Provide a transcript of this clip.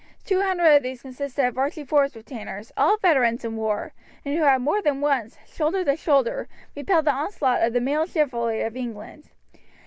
Two hundred of these consisted of Archie Forbes' retainers, all veterans in war, and who had more than once, shoulder to shoulder, repelled the onslaught of the mailed chivalry of England.